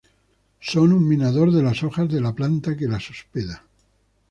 Son un minador de las hojas de la planta que las hospeda.